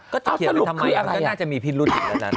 ก็จะเขียนไปทำไมนางก็น่าจะมีพินรุ่นอีกแล้วนั้น